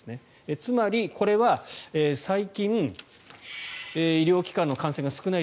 つまり、これは最近、医療機関の感染が少ない。